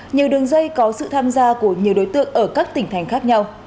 nhiều đường dây có sự tham gia của nhiều đối tượng ở các tỉnh thành khác nhau